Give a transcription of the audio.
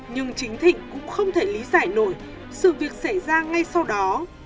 nhưng chính thịnh cũng không thể lý giải nổi sự việc xảy ra ngay sau đó